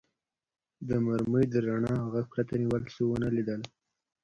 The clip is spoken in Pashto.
د مرمۍ د رڼا او غږ پرته مې بل څه و نه لیدل.